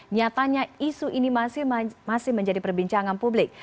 nyatanya isu ini masih menjadi perbincangan publik